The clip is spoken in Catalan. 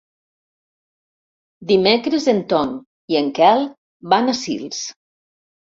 Dimecres en Ton i en Quel van a Sils.